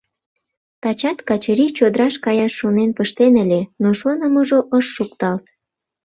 Тачат Качырий чодраш каяш шонен пыштен ыле, но шонымыжо ыш шукталт.